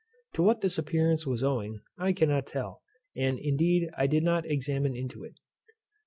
To what this appearance was owing I cannot tell, and indeed I did not examine into it.